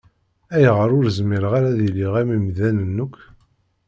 Ayɣer ur zmireɣ ara ad iliɣ am yimdanen akk?